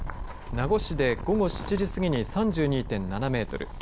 名護市で午後７時過ぎに３２．７メートル